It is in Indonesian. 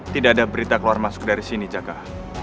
tidak ada berita keluar masuk dari sini jaga